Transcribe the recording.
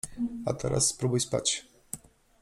A teraz spróbuj spać!